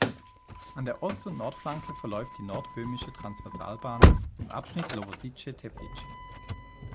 An der Ost- und Nordflanke verläuft die Nordböhmische Transversalbahn im Abschnitt Lovosice–Teplice.